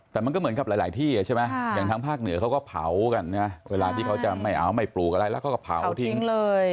แต่มันก็เหมือนกับหลายที่ใช่ไหมอย่างทางภาคเหนือเขาก็เผากันนะเวลาที่เขาจะไม่เอาไม่ปลูกอะไรแล้วเขาก็เผาทิ้งเลย